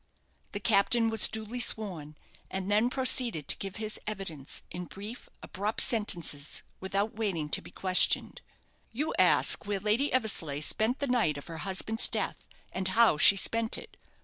The captain was duly sworn, and then proceeded to give his evidence, in brief, abrupt sentences, without waiting to be questioned. "You ask where Lady Eversleigh spent the night of her husband's death, and how she spent it.